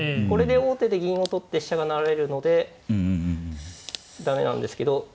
これで王手で銀を取って飛車が成られるので駄目なんですけど。